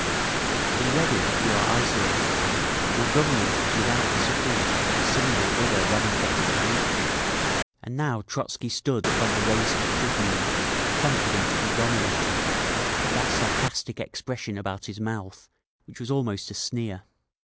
Already you are isolated, and your Government is without the support of a single other democratic group…. And now Trotzky stood upon the raised tribune, confident and dominating, with that sarcastic expression about his mouth which was almost a sneer.